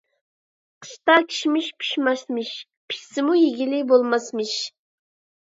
قىشتا كىشمىش پىشماسمىش، پىشسىمۇ يېگىلى بولماسمىش.